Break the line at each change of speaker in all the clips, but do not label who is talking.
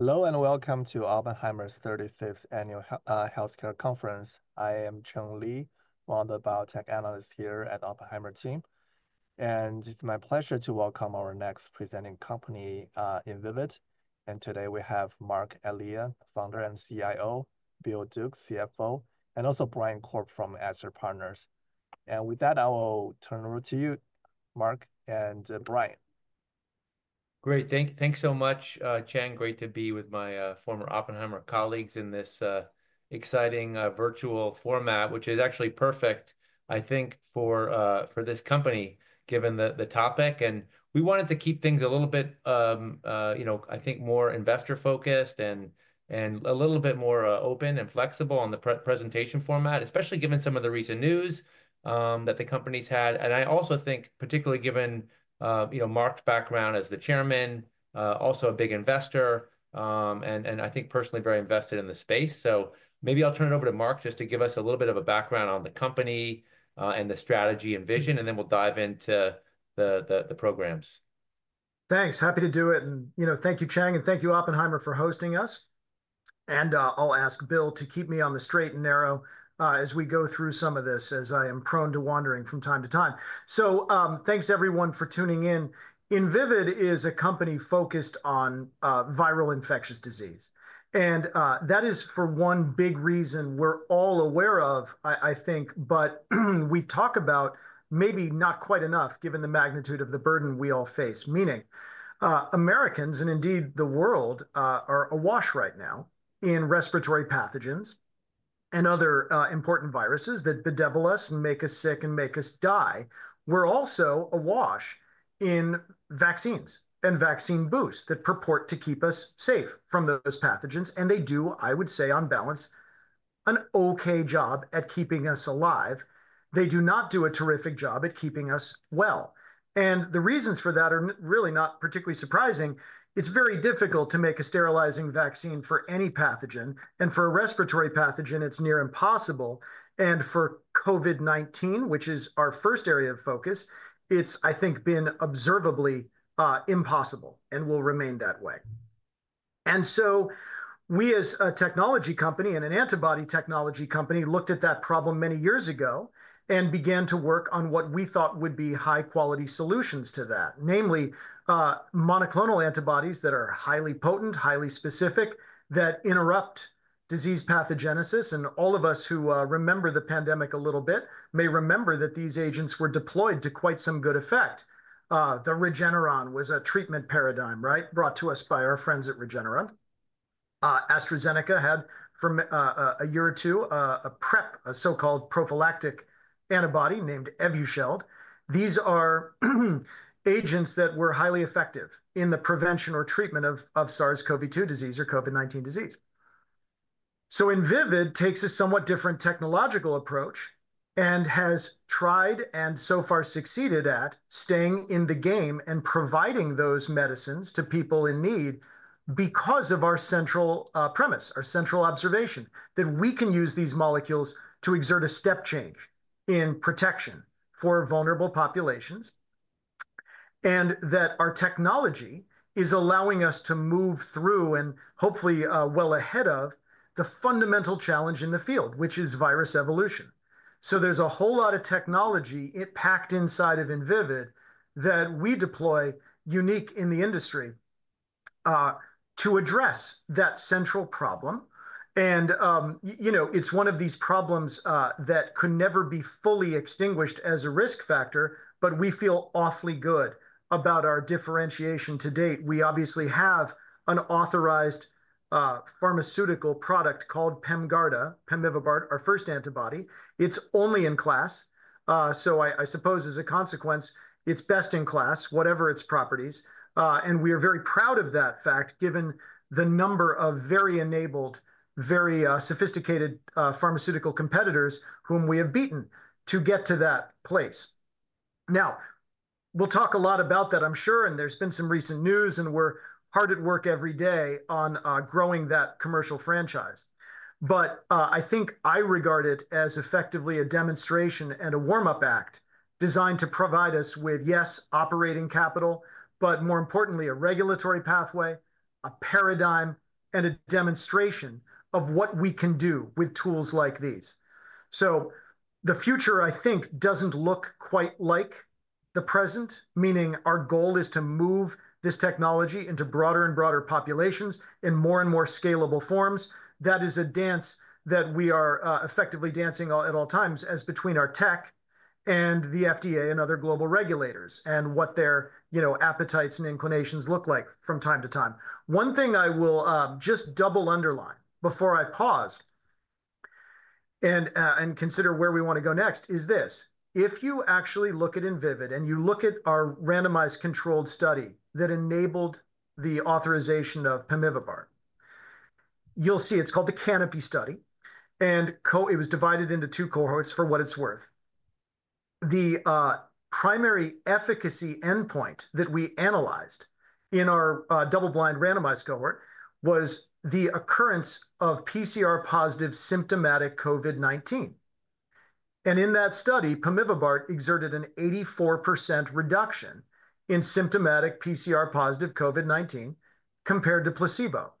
Hello and welcome to Oppenheimer's 35th Annual Healthcare Conference. I am Chang Li, one of the biotech analysts here at the Oppenheimer team, and it's my pleasure to welcome our next presenting company, Invivyd. Today we have Marc Elia, Founder and CIO, Bill Duke, CFO, and also Brian Korb from Astr Partners. With that, I will turn it over to you, Marc and Brian.
Great. Thanks so much, Chang. Great to be with my former Oppenheimer colleagues in this exciting virtual format, which is actually perfect, I think, for this company, given the topic. We wanted to keep things a little bit, you know, I think, more investor-focused and a little bit more open and flexible on the presentation format, especially given some of the recent news that the company's had. I also think, particularly given Marc's background as the Chairman, also a big investor, and I think personally very invested in the space. Maybe I'll turn it over to Marc just to give us a little bit of a background on the company and the strategy and vision, and then we'll dive into the programs.
Thanks. Happy to do it. You know, thank you, Chang, and thank you, Oppenheimer, for hosting us. I'll ask Bill to keep me on the straight and narrow as we go through some of this, as I am prone to wandering from time to time. Thanks, everyone, for tuning in. Invivyd is a company focused on viral infectious disease. That is for one big reason we're all aware of, I think, but we talk about maybe not quite enough, given the magnitude of the burden we all face, meaning Americans and indeed the world are awash right now in respiratory pathogens and other important viruses that bedevil us and make us sick and make us die. We're also awash in vaccines and vaccine boosts that purport to keep us safe from those pathogens. They do, I would say, on balance, an okay job at keeping us alive. They do not do a terrific job at keeping us well. The reasons for that are really not particularly surprising. It's very difficult to make a sterilizing vaccine for any pathogen. For a respiratory pathogen, it's near impossible. For COVID-19, which is our first area of focus, it's, I think, been observably impossible and will remain that way. We, as a technology company and an antibody technology company, looked at that problem many years ago and began to work on what we thought would be high-quality solutions to that, namely monoclonal antibodies that are highly potent, highly specific, that interrupt disease pathogenesis. All of us who remember the pandemic a little bit may remember that these agents were deployed to quite some good effect. The Regeneron was a treatment paradigm, right, brought to us by our friends at Regeneron. AstraZeneca had, for a year or two, a prep, a so-called prophylactic antibody named Evusheld. These are agents that were highly effective in the prevention or treatment of SARS-CoV-2 disease or COVID-19 disease. Invivyd takes a somewhat different technological approach and has tried and so far succeeded at staying in the game and providing those medicines to people in need because of our central premise, our central observation, that we can use these molecules to exert a step change in protection for vulnerable populations, and that our technology is allowing us to move through and hopefully well ahead of the fundamental challenge in the field, which is virus evolution. There is a whole lot of technology packed inside of Invivyd that we deploy, unique in the industry, to address that central problem. You know, it's one of these problems that could never be fully extinguished as a risk factor, but we feel awfully good about our differentiation to date. We obviously have an authorized pharmaceutical product called PEMGARDA, pemivibart, our first antibody. It's only in class. I suppose, as a consequence, it's best in class, whatever its properties. We are very proud of that fact, given the number of very enabled, very sophisticated pharmaceutical competitors whom we have beaten to get to that place. We'll talk a lot about that, I'm sure, and there's been some recent news, and we're hard at work every day on growing that commercial franchise. I think I regard it as effectively a demonstration and a warm-up act designed to provide us with, yes, operating capital, but more importantly, a regulatory pathway, a paradigm, and a demonstration of what we can do with tools like these. The future, I think, does not look quite like the present, meaning our goal is to move this technology into broader and broader populations in more and more scalable forms. That is a dance that we are effectively dancing at all times between our tech and the FDA and other global regulators and what their, you know, appetites and inclinations look like from time to time. One thing I will just double underline before I pause and consider where we want to go next is this: if you actually look at Invivyd and you look at our randomized controlled study that enabled the authorization of pemivibart, you'll see it's called the CANOPY study, and it was divided into two cohorts for what it's worth. The primary efficacy endpoint that we analyzed in our double-blind randomized cohort was the occurrence of PCR-positive symptomatic COVID-19. In that study, pemivibart exerted an 84% reduction in symptomatic PCR-positive COVID-19 compared to placebo.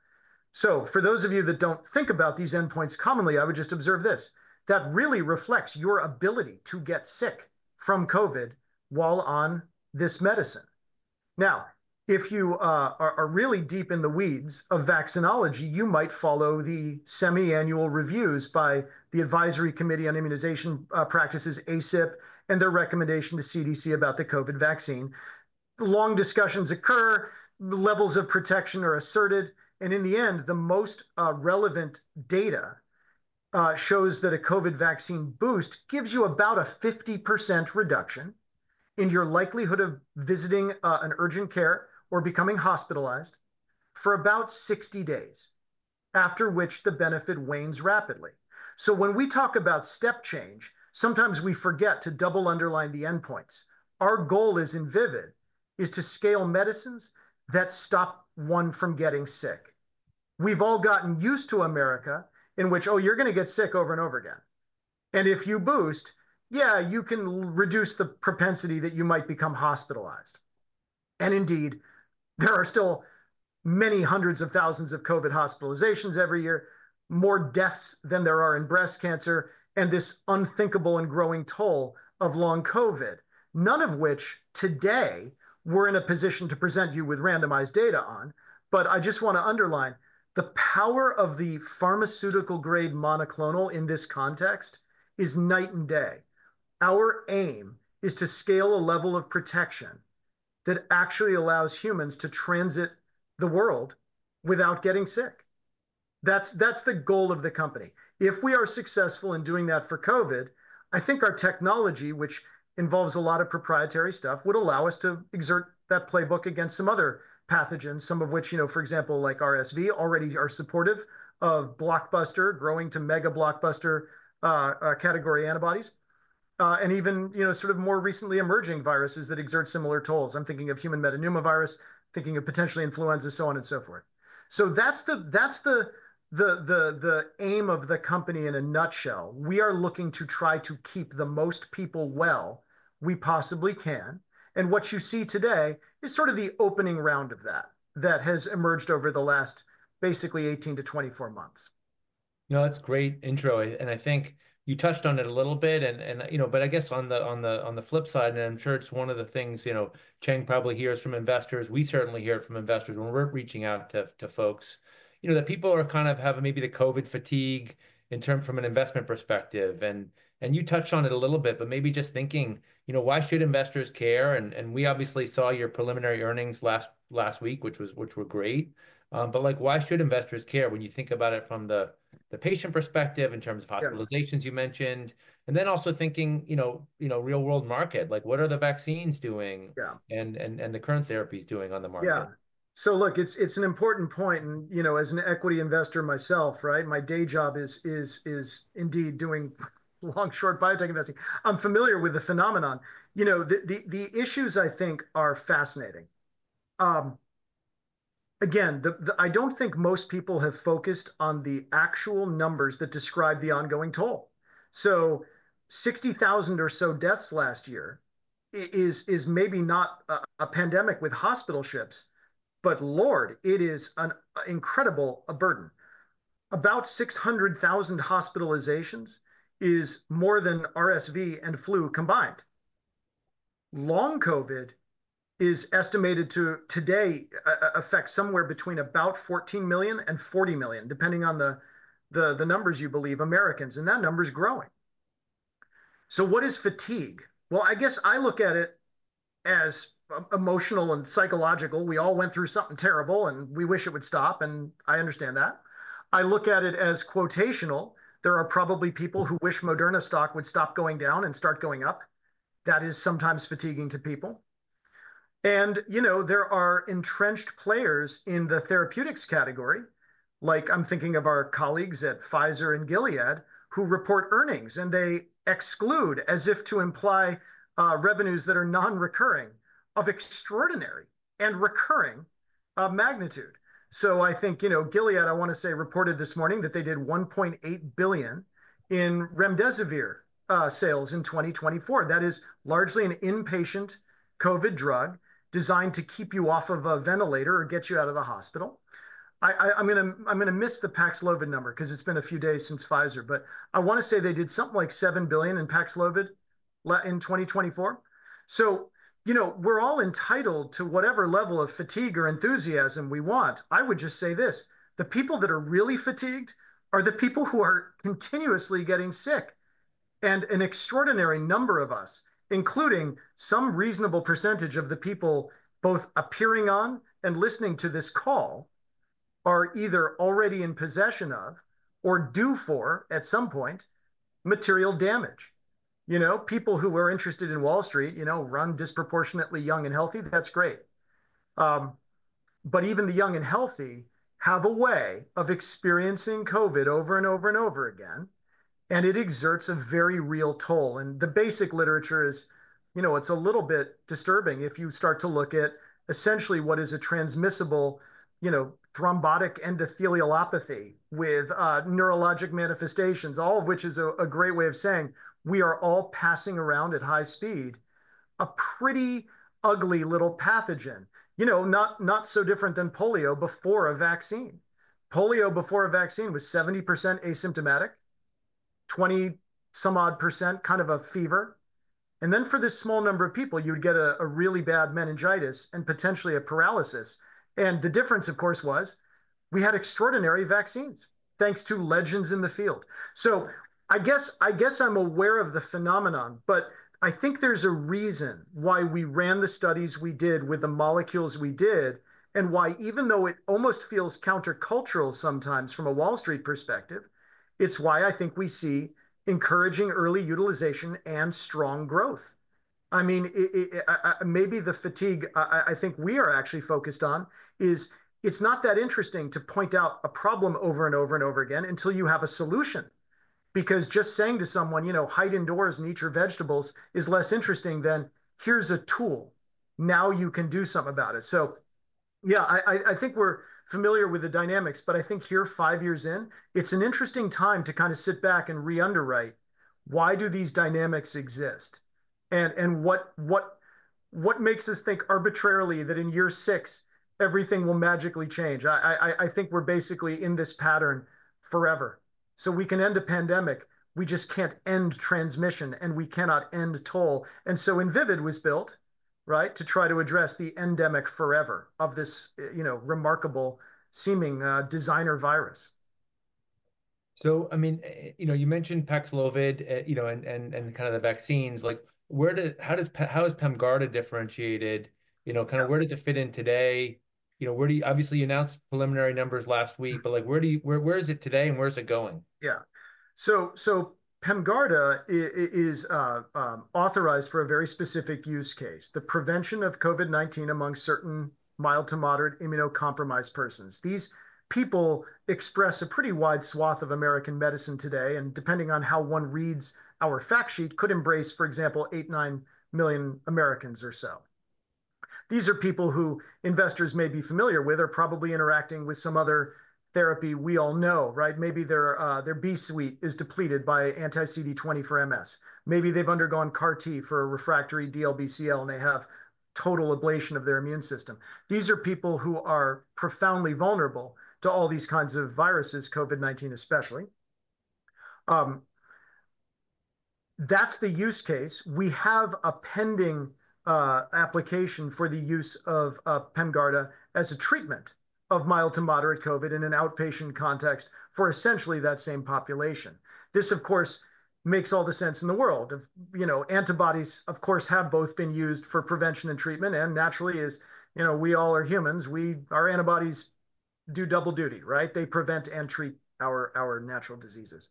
For those of you that don't think about these endpoints commonly, I would just observe this: that really reflects your ability to get sick from COVID while on this medicine. Now, if you are really deep in the weeds of vaccinology, you might follow the semi-annual reviews by the Advisory Committee on Immunization Practices, ACIP, and their recommendation to CDC about the COVID vaccine. Long discussions occur, levels of protection are asserted, and in the end, the most relevant data shows that a COVID vaccine boost gives you about a 50% reduction in your likelihood of visiting an urgent care or becoming hospitalized for about 60 days, after which the benefit wanes rapidly. When we talk about step change, sometimes we forget to double underline the endpoints. Our goal is, in Invivyd, to scale medicines that stop one from getting sick. We've all gotten used to America in which, oh, you're going to get sick over and over again. And if you boost, yeah, you can reduce the propensity that you might become hospitalized. Indeed, there are still many hundreds of thousands of COVID hospitalizations every year, more deaths than there are in breast cancer, and this unthinkable and growing toll of long COVID, none of which today we're in a position to present you with randomized data on. I just want to underline the power of the pharmaceutical-grade monoclonal in this context is night and day. Our aim is to scale a level of protection that actually allows humans to transit the world without getting sick. That's the goal of the company. If we are successful in doing that for COVID, I think our technology, which involves a lot of proprietary stuff, would allow us to exert that playbook against some other pathogens, some of which, you know, for example, like RSV, already are supportive of blockbuster, growing to mega blockbuster category antibodies, and even, you know, sort of more recently emerging viruses that exert similar tolls. I'm thinking of human metapneumovirus, thinking of potentially influenza, so on and so forth. That is the aim of the company, in a nutshell. We are looking to try to keep the most people well we possibly can. What you see today is sort of the opening round of that that has emerged over the last basically 18 months to 24 months.
No, that's a great intro. I think you touched on it a little bit. You know, I guess on the flip side, and I'm sure it's one of the things, you know, Chang probably hears from investors, we certainly hear it from investors when we're reaching out to folks, you know, that people are kind of having maybe the COVID fatigue in terms from an investment perspective. You touched on it a little bit, but maybe just thinking, you know, why should investors care? We obviously saw your preliminary earnings last week, which were great. Like, why should investors care when you think about it from the patient perspective in terms of hospitalizations you mentioned? Also thinking, you know, real-world market, like, what are the vaccines doing and the current therapies doing on the market?
Yeah. So look, it's an important point. And, you know, as an equity investor myself, right, my day job is indeed doing long, short biotech investing. I'm familiar with the phenomenon. You know, the issues, I think, are fascinating. Again, I don't think most people have focused on the actual numbers that describe the ongoing toll. So 60,000 or so deaths last year is maybe not a pandemic with hospital shifts, but, Lord, it is an incredible burden. About 600,000 hospitalizations is more than RSV and flu combined. Long COVID is estimated to today affect somewhere between about 14 million and 40 million, depending on the numbers, you believe, Americans. And that number is growing. So what is fatigue? Well, I guess I look at it as emotional and psychological. We all went through something terrible, and we wish it would stop, and I understand that. I look at it as quotational. There are probably people who wish Moderna stock would stop going down and start going up. That is sometimes fatiguing to people. You know, there are entrenched players in the therapeutics category, like I'm thinking of our colleagues at Pfizer and Gilead, who report earnings, and they exclude, as if to imply revenues that are non-recurring, of extraordinary and recurring magnitude. I think, you know, Gilead, I want to say, reported this morning that they did $1.8 billion in remdesivir sales in 2024. That is largely an inpatient COVID drug designed to keep you off of a ventilator or get you out of the hospital. I'm going to miss the Paxlovid number because it's been a few days since Pfizer, but I want to say they did something like $7 billion in Paxlovid in 2024. You know, we're all entitled to whatever level of fatigue or enthusiasm we want. I would just say this: the people that are really fatigued are the people who are continuously getting sick. An extraordinary number of us, including some reasonable percentage of the people both appearing on and listening to this call, are either already in possession of or due for, at some point, material damage. You know, people who are interested in Wall Street, you know, run disproportionately young and healthy, that's great. Even the young and healthy have a way of experiencing COVID over and over and over again, and it exerts a very real toll. The basic literature is, you know, it's a little bit disturbing if you start to look at essentially what is a transmissible, you know, thrombotic endothelialopathy with neurologic manifestations, all of which is a great way of saying we are all passing around at high speed a pretty ugly little pathogen, you know, not so different than polio before a vaccine. Polio before a vaccine was 70% asymptomatic, 20-some-odd % kind of a fever. For this small number of people, you would get a really bad meningitis and potentially a paralysis. The difference, of course, was we had extraordinary vaccines, thanks to legends in the field. I guess I'm aware of the phenomenon, but I think there's a reason why we ran the studies we did with the molecules we did and why, even though it almost feels countercultural sometimes from a Wall Street perspective, it's why I think we see encouraging early utilization and strong growth. I mean, maybe the fatigue I think we are actually focused on is it's not that interesting to point out a problem over and over and over again until you have a solution. Because just saying to someone, you know, hide indoors and eat your vegetables is less interesting than, here's a tool. Now you can do something about it. Yeah, I think we're familiar with the dynamics, but I think here, five years in, it's an interesting time to kind of sit back and re-underwrite, why do these dynamics exist? What makes us think arbitrarily that in year six, everything will magically change? I think we're basically in this pattern forever. We can end a pandemic, we just can't end transmission, and we cannot end toll. Invivyd was built, right, to try to address the endemic forever of this, you know, remarkable-seeming designer virus.
I mean, you know, you mentioned Paxlovid, you know, and kind of the vaccines. Like, how has PEMGARDA differentiated, you know, kind of where does it fit in today? You know, obviously, you announced preliminary numbers last week, but like, where is it today and where is it going?
Yeah. PEMGARDA is authorized for a very specific use case, the prevention of COVID-19 among certain mild to moderate immunocompromised persons. These people express a pretty wide swath of American medicine today, and depending on how one reads our fact sheet, could embrace, for example, 89 million Americans or so. These are people who investors may be familiar with or probably interacting with some other therapy we all know, right? Maybe their B suite is depleted by anti-CD20 for MS. Maybe they've undergone CAR-T for a refractory DLBCL, and they have total ablation of their immune system. These are people who are profoundly vulnerable to all these kinds of viruses, COVID-19 especially. That's the use case. We have a pending application for the use of PEMGARDA as a treatment of mild to moderate COVID in an outpatient context for essentially that same population. This, of course, makes all the sense in the world. You know, antibodies, of course, have both been used for prevention and treatment, and naturally, as you know, we all are humans, our antibodies do double duty, right? They prevent and treat our natural diseases.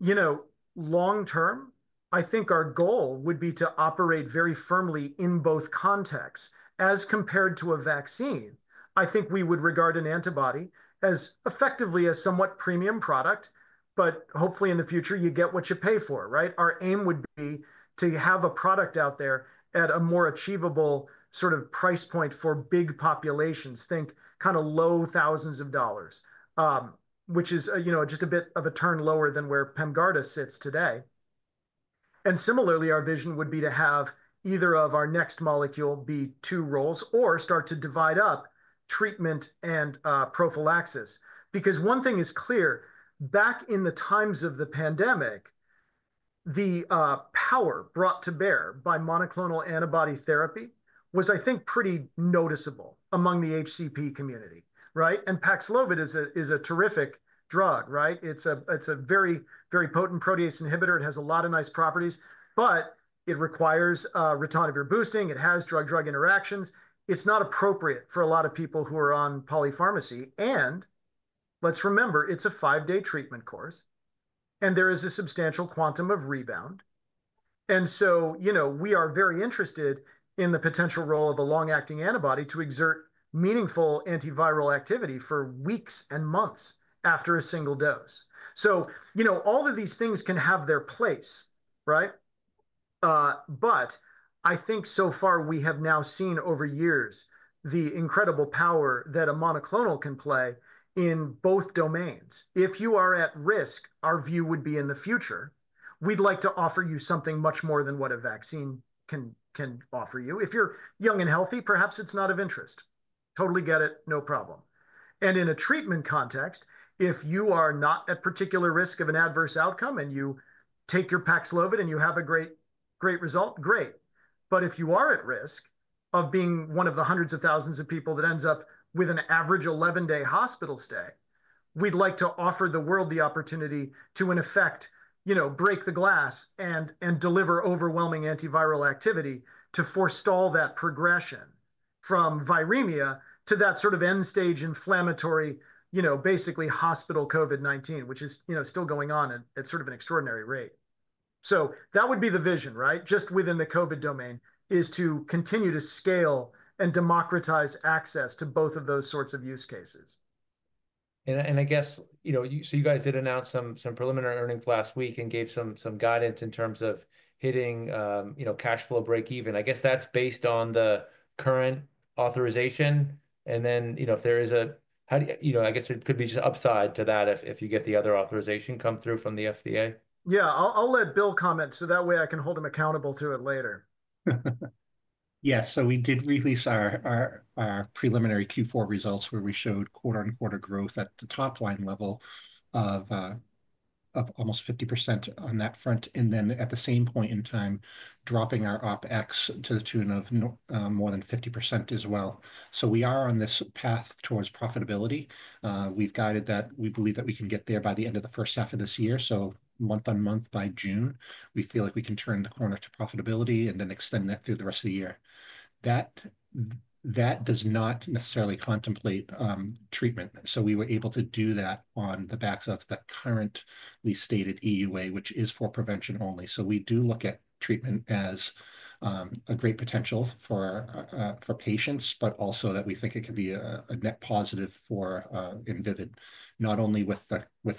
You know, long term, I think our goal would be to operate very firmly in both contexts. As compared to a vaccine, I think we would regard an antibody as effectively a somewhat premium product, but hopefully in the future, you get what you pay for, right? Our aim would be to have a product out there at a more achievable sort of price point for big populations, think kind of low thousands of dollars, which is, you know, just a bit of a turn lower than where PEMGARDA sits today. Similarly, our vision would be to have either of our next molecule be two roles or start to divide up treatment and prophylaxis. Because one thing is clear, back in the times of the pandemic, the power brought to bear by monoclonal antibody therapy was, I think, pretty noticeable among the HCP community, right? Paxlovid is a terrific drug, right? It's a very, very potent protease inhibitor. It has a lot of nice properties, but it requires ritonavir boosting. It has drug-drug interactions. It's not appropriate for a lot of people who are on polypharmacy. Let's remember, it's a five-day treatment course, and there is a substantial quantum of rebound. You know, we are very interested in the potential role of a long-acting antibody to exert meaningful antiviral activity for weeks and months after a single dose. You know, all of these things can have their place, right? I think so far we have now seen over years the incredible power that a monoclonal can play in both domains. If you are at risk, our view would be in the future, we'd like to offer you something much more than what a vaccine can offer you. If you're young and healthy, perhaps it's not of interest. Totally get it, no problem. In a treatment context, if you are not at particular risk of an adverse outcome and you take your Paxlovid and you have a great, great result, great. If you are at risk of being one of the hundreds of thousands of people that ends up with an average 11-day hospital stay, we'd like to offer the world the opportunity to, in effect, you know, break the glass and deliver overwhelming antiviral activity to forestall that progression from viremia to that sort of end-stage inflammatory, you know, basically hospital COVID-19, which is, you know, still going on at sort of an extraordinary rate. That would be the vision, right? Just within the COVID domain is to continue to scale and democratize access to both of those sorts of use cases.
I guess, you know, so you guys did announce some preliminary earnings last week and gave some guidance in terms of hitting, you know, cash flow break-even. I guess that's based on the current authorization. And then, you know, if there is a, you know, I guess it could be just upside to that if you get the other authorization come through from the FDA.
Yeah, I'll let Bill comment so that way I can hold him accountable to it later.
Yes, we did release our preliminary Q4 results where we showed quarter-on-quarter growth at the top line level of almost 50% on that front. At the same point in time, dropping our OpEx to the tune of more than 50% as well. We are on this path towards profitability. We have guided that we believe that we can get there by the end of the first half of this year. Month on month by June, we feel like we can turn the corner to profitability and then extend that through the rest of the year. That does not necessarily contemplate treatment. We were able to do that on the backs of the currently stated EUA, which is for prevention only. We do look at treatment as a great potential for patients, but also that we think it can be a net positive for Invivyd, not only with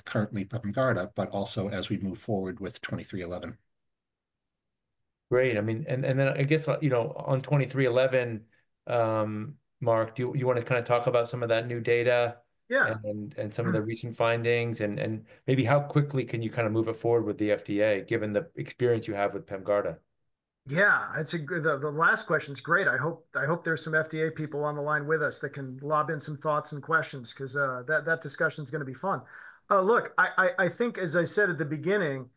currently PEMGARDA, but also as we move forward with VYD2311.
Great. I mean, and then I guess, you know, on VYD2311, Marc, do you want to kind of talk about some of that new data and some of the recent findings? And maybe how quickly can you kind of move it forward with the FDA given the experience you have with PEMGARDA?
Yeah, the last question is great. I hope there's some FDA people on the line with us that can lob in some thoughts and questions because that discussion is going to be fun. Look, I think, as I said at the beginning,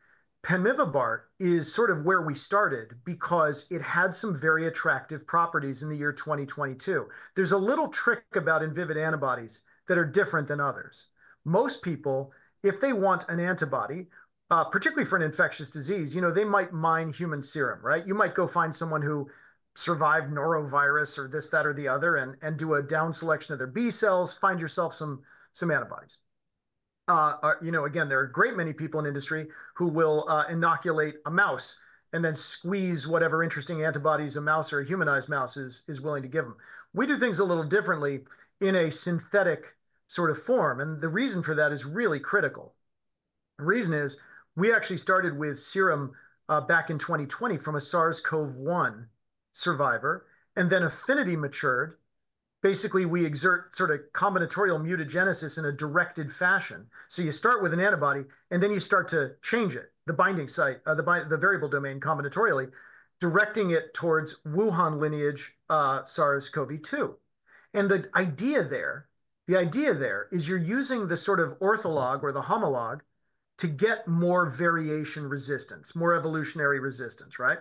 pemivibart is sort of where we started because it had some very attractive properties in the year 2022. There's a little trick about Invivyd antibodies that are different than others. Most people, if they want an antibody, particularly for an infectious disease, you know, they might mine human serum, right? You might go find someone who survived norovirus or this, that, or the other and do a down selection of their B cells, find yourself some antibodies. You know, again, there are a great many people in industry who will inoculate a mouse and then squeeze whatever interesting antibodies a mouse or a humanized mouse is willing to give them. We do things a little differently in a synthetic sort of form. The reason for that is really critical. The reason is we actually started with serum back in 2020 from a SARS-CoV-1 survivor. Then affinity matured. Basically, we exert sort of combinatorial mutagenesis in a directed fashion. You start with an antibody and then you start to change it, the binding site, the variable domain combinatorially, directing it towards Wuhan lineage SARS-CoV-2. The idea there is you're using the sort of ortholog or the homolog to get more variation resistance, more evolutionary resistance, right?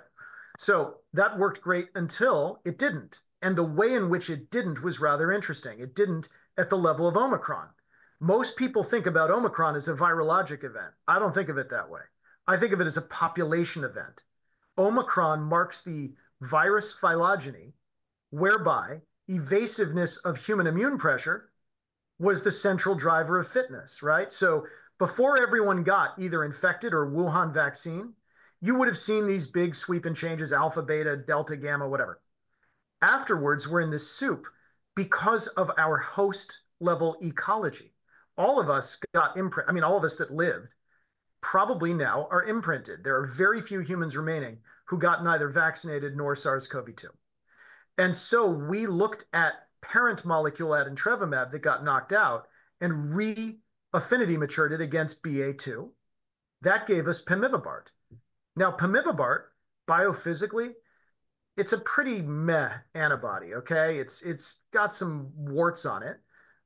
That worked great until it didn't. The way in which it didn't was rather interesting. It didn't at the level of Omicron. Most people think about Omicron as a virologic event. I don't think of it that way. I think of it as a population event. Omicron marks the virus phylogeny whereby evasiveness of human immune pressure was the central driver of fitness, right? Before everyone got either infected or Wuhan vaccine, you would have seen these big sweeping changes, alpha, beta, delta, gamma, whatever. Afterwards, we're in this soup because of our host-level ecology. All of us got imprinted, I mean, all of us that lived probably now are imprinted. There are very few humans remaining who got neither vaccinated nor SARS-CoV-2. We looked at parent molecule adintrevimab that got knocked out and re-affinity matured it against BA2. That gave us pemivibart. Now, pemivibart biophysically, it's a pretty meh antibody, okay? It's got some warts on it.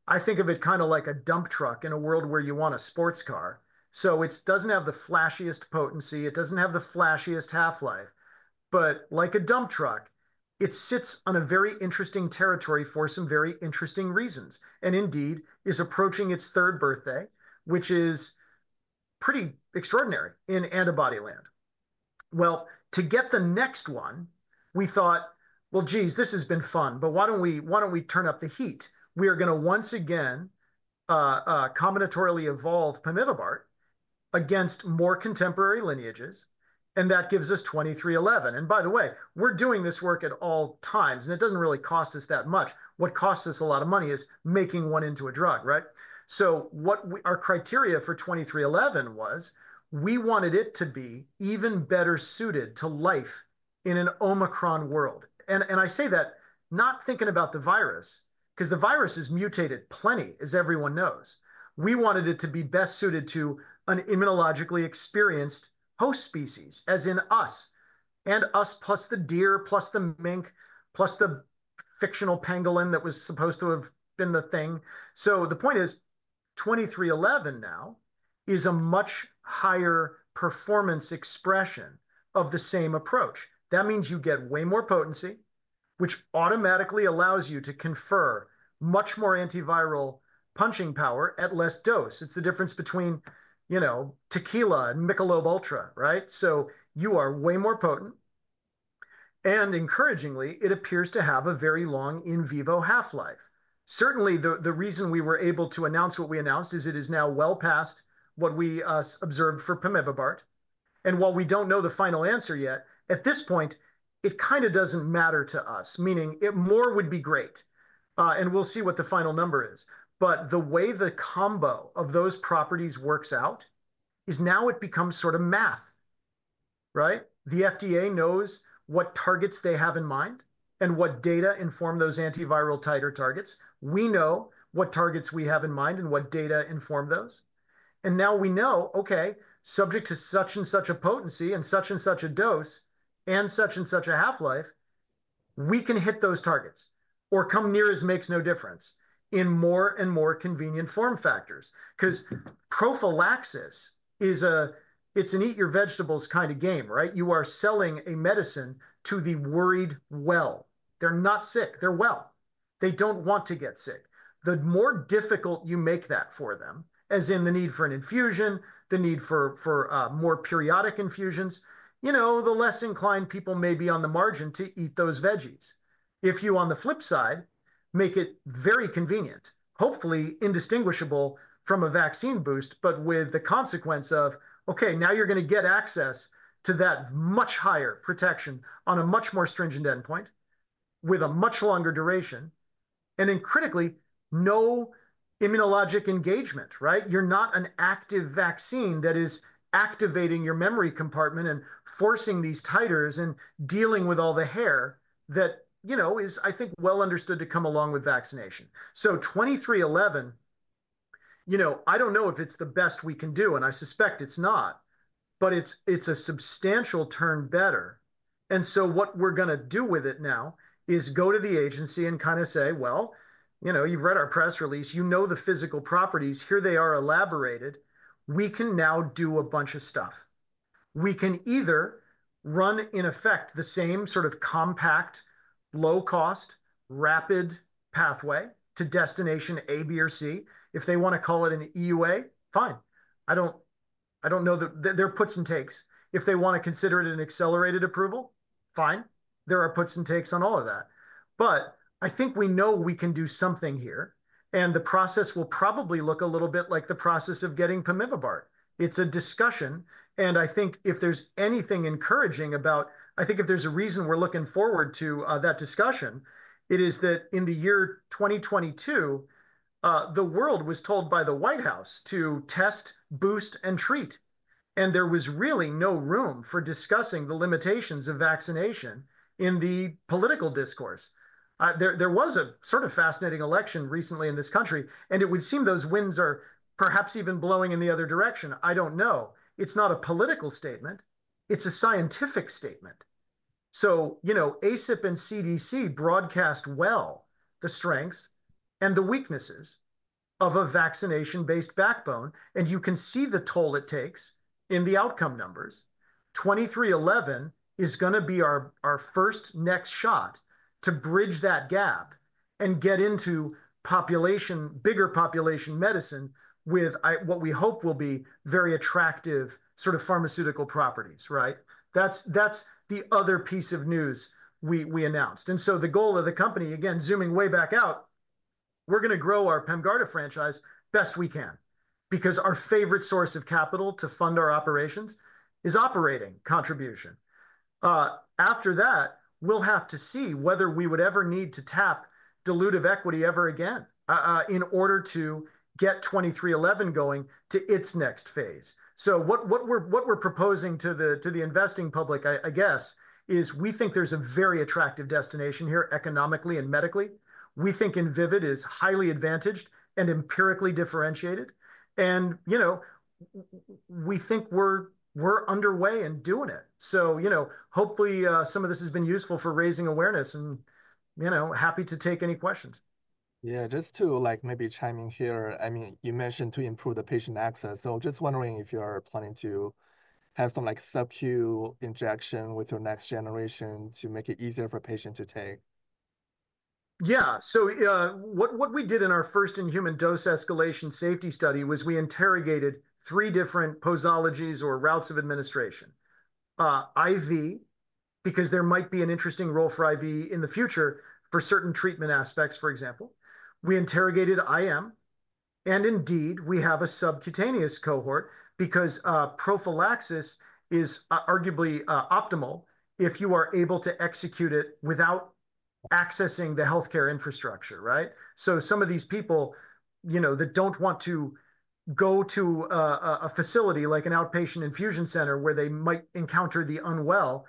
I think of it kind of like a dump truck in a world where you want a sports car. It doesn't have the flashiest potency. It doesn't have the flashiest half-life. Like a dump truck, it sits on a very interesting territory for some very interesting reasons. Indeed, it's approaching its third birthday, which is pretty extraordinary in antibody land. To get the next one, we thought, geez, this has been fun, but why don't we turn up the heat? We are going to once again combinatorially evolve pemivibart against more contemporary lineages. That gives us VYD2311. By the way, we're doing this work at all times, and it doesn't really cost us that much. What costs us a lot of money is making one into a drug, right? What our criteria for VYD2311 was, we wanted it to be even better suited to life in an Omicron world. I say that not thinking about the virus, because the virus has mutated plenty, as everyone knows. We wanted it to be best suited to an immunologically experienced host species, as in us and us plus the deer plus the mink plus the fictional pangolin that was supposed to have been the thing. The point is VYD2311 now is a much higher performance expression of the same approach. That means you get way more potency, which automatically allows you to confer much more antiviral punching power at less dose. It's the difference between, you know, tequila and Michelob ULTRA, right? You are way more potent. Encouragingly, it appears to have a very long in vivo half-life. Certainly, the reason we were able to announce what we announced is it is now well past what we observed for pemivibart. And while we don't know the final answer yet, at this point, it kind of doesn't matter to us, meaning it more would be great. And we'll see what the final number is. But the way the combo of those properties works out is now it becomes sort of math, right? The FDA knows what targets they have in mind and what data inform those antiviral titer targets. We know what targets we have in mind and what data inform those. And now we know, okay, subject to such and such a potency and such and such a dose and such and such a half-life, we can hit those targets or come near as makes no difference in more and more convenient form factors. Because prophylaxis is a, it's an eat your vegetables kind of game, right? You are selling a medicine to the worried well. They're not sick. They're well. They don't want to get sick. The more difficult you make that for them, as in the need for an infusion, the need for more periodic infusions, you know, the less inclined people may be on the margin to eat those veggies. If you on the flip side, make it very convenient, hopefully indistinguishable from a vaccine boost, but with the consequence of, okay, now you're going to get access to that much higher protection on a much more stringent endpoint with a much longer duration. And then critically, no immunologic engagement, right? You're not an active vaccine that is activating your memory compartment and forcing these titers and dealing with all the hair that, you know, is, I think, well understood to come along with vaccination. VYD2311, you know, I don't know if it's the best we can do, and I suspect it's not, but it's a substantial turn better. What we're going to do with it now is go to the agency and kind of say, you know, you've read our press release, you know the physical properties, here they are elaborated. We can now do a bunch of stuff. We can either run in effect the same sort of compact, low-cost, rapid pathway to destination A, B, or C. If they want to call it an EUA, fine. I don't know that there are puts and takes. If they want to consider it an accelerated approval, fine. There are puts and takes on all of that. I think we know we can do something here. The process will probably look a little bit like the process of getting pemivibart. It's a discussion. I think if there's anything encouraging about, I think if there's a reason we're looking forward to that discussion, it is that in the year 2022, the world was told by the White House to test, boost, and treat. There was really no room for discussing the limitations of vaccination in the political discourse. There was a sort of fascinating election recently in this country, and it would seem those winds are perhaps even blowing in the other direction. I don't know. It's not a political statement. It's a scientific statement. You know, ACIP and CDC broadcast well the strengths and the weaknesses of a vaccination-based backbone. You can see the toll it takes in the outcome numbers. VYD2311 is going to be our first next shot to bridge that gap and get into population, bigger population medicine with what we hope will be very attractive sort of pharmaceutical properties, right? That is the other piece of news we announced. The goal of the company, again, zooming way back out, is we are going to grow our PEMGARDA franchise best we can because our favorite source of capital to fund our operations is operating contribution. After that, we will have to see whether we would ever need to tap dilutive equity ever again in order to get VYD2311 going to its next phase. What we're proposing to the investing public, I guess, is we think there's a very attractive destination here economically and medically. We think Invivyd is highly advantaged and empirically differentiated. And, you know, we think we're underway and doing it. So, you know, hopefully some of this has been useful for raising awareness and, you know, happy to take any questions.
Yeah, just to like maybe chime in here. I mean, you mentioned to improve the patient access. So just wondering if you're planning to have some like Sub-Q injection with your next generation to make it easier for patients to take.
Yeah. What we did in our first inhuman dose escalation safety study was we interrogated three different posologies or routes of administration. IV, because there might be an interesting role for IV in the future for certain treatment aspects, for example. We interrogated IM. Indeed, we have a subcutaneous cohort because prophylaxis is arguably optimal if you are able to execute it without accessing the healthcare infrastructure, right? Some of these people, you know, that do not want to go to a facility like an outpatient infusion center where they might encounter the unwell,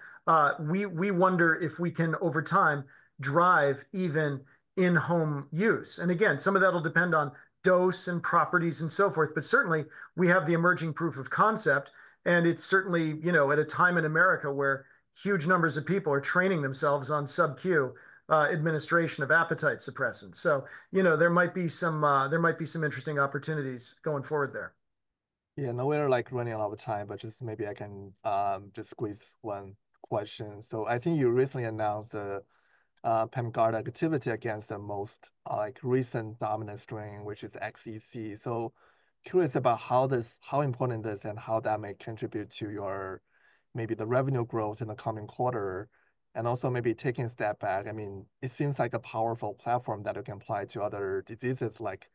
we wonder if we can over time drive even in-home use. Again, some of that will depend on dose and properties and so forth. Certainly, we have the emerging proof of concept. It is certainly, you know, at a time in America where huge numbers of people are training themselves on Sub-Q administration of appetite suppressants. You know, there might be some interesting opportunities going forward there.
Yeah, now we're like running out of time, but just maybe I can just squeeze one question. I think you recently announced the PEMGARDA activity against the most like recent dominant strain, which is XEC. Curious about how this, how important this and how that may contribute to your maybe the revenue growth in the coming quarter. Also maybe taking a step back. I mean, it seems like a powerful platform that you can apply to other diseases like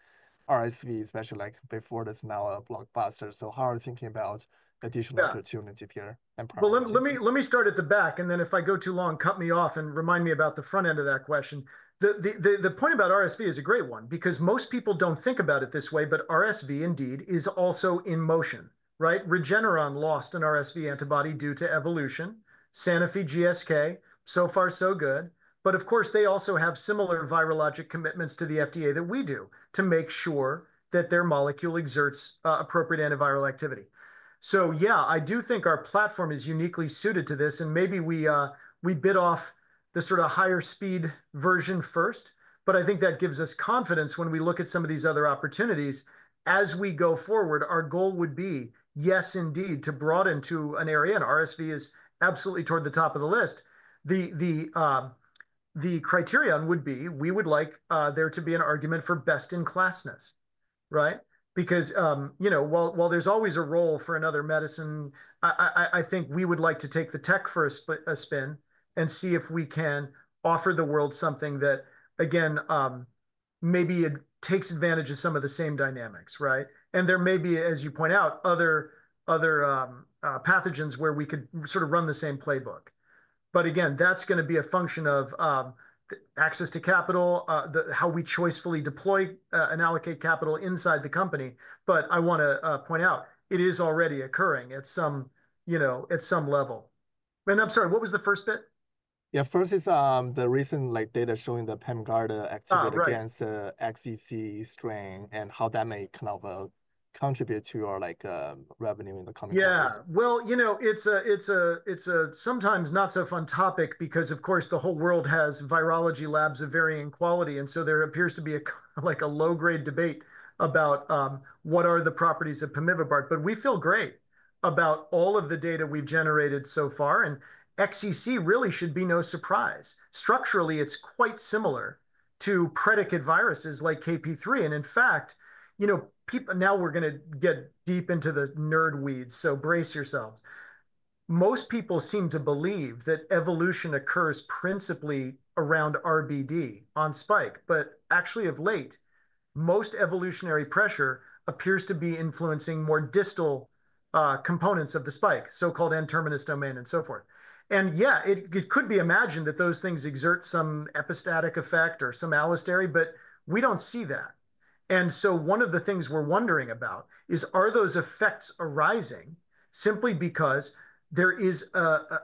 RSV, especially like before this now a blockbuster. How are you thinking about additional opportunity here?
Let me start at the back. If I go too long, cut me off and remind me about the front end of that question. The point about RSV is a great one because most people do not think about it this way, but RSV indeed is also in motion, right? Regeneron lost an RSV antibody due to evolution. Sanofi GSK, so far so good. Of course, they also have similar virologic commitments to the FDA that we do to make sure that their molecule exerts appropriate antiviral activity. I do think our platform is uniquely suited to this. Maybe we bid off the sort of higher speed version first. I think that gives us confidence when we look at some of these other opportunities. As we go forward, our goal would be, yes, indeed, to broaden to an area. RSV is absolutely toward the top of the list. The criterion would be we would like there to be an argument for best in classness, right? Because, you know, while there's always a role for another medicine, I think we would like to take the tech first a spin and see if we can offer the world something that, again, maybe it takes advantage of some of the same dynamics, right? There may be, as you point out, other pathogens where we could sort of run the same playbook. Again, that's going to be a function of access to capital, how we choicefully deploy and allocate capital inside the company. I want to point out, it is already occurring at some, you know, at some level. I'm sorry, what was the first bit?
Yeah, first is the recent like data showing the PEMGARDA activity against XEC strain and how that may kind of contribute to our like revenue in the coming quarter.
Yeah. You know, it's a sometimes not so fun topic because, of course, the whole world has virology labs of varying quality. There appears to be a like a low-grade debate about what are the properties of pemivibart. We feel great about all of the data we've generated so far. XEC really should be no surprise. Structurally, it's quite similar to predicate viruses like KP.3. You know, now we're going to get deep into the nerd weeds. Brace yourselves. Most people seem to believe that evolution occurs principally around RBD on spike. Actually, of late, most evolutionary pressure appears to be influencing more distal components of the spike, so-called N-terminus domain and so forth. It could be imagined that those things exert some epistatic effect or some allostery, but we don't see that. One of the things we're wondering about is, are those effects arising simply because there is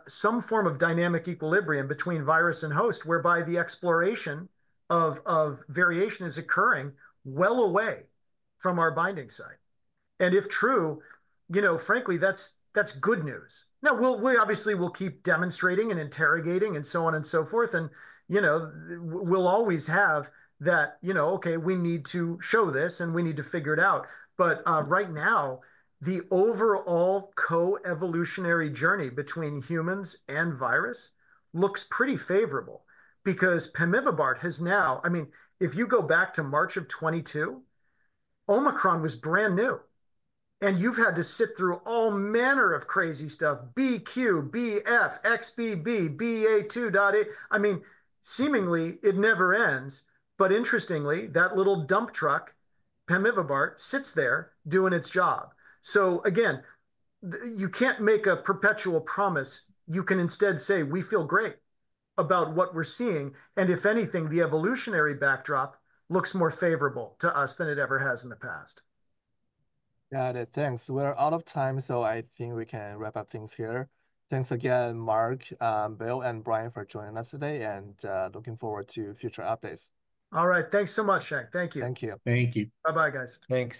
some form of dynamic equilibrium between virus and host whereby the exploration of variation is occurring well away from our binding site? If true, you know, frankly, that's good news. We obviously will keep demonstrating and interrogating and so on and so forth. You know, we'll always have that, you know, okay, we need to show this and we need to figure it out. Right now, the overall co-evolutionary journey between humans and virus looks pretty favorable because pemivibart has now, I mean, if you go back to March of 2022, Omicron was brand new. You've had to sit through all manner of crazy stuff, BQ, BF, XBB, BA2.8. I mean, seemingly it never ends. Interestingly, that little dump truck, pemivibart, sits there doing its job. You can't make a perpetual promise. You can instead say, we feel great about what we're seeing. And if anything, the evolutionary backdrop looks more favorable to us than it ever has in the past.
Got it. Thanks. We're out of time. I think we can wrap up things here. Thanks again, Marc, Bill, and Brian for joining us today and looking forward to future updates.
All right. Thanks so much, Chang. Thank you.
Thank you.
Thank you.
Bye-bye, guys.
Thanks.